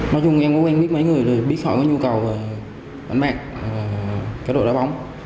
nói chung em có quen với mấy người rồi biết khỏi nhu cầu bán mạng cá độ đá bóng